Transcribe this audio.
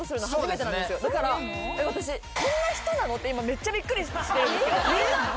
だから。って今めっちゃびっくりしてるんですけど。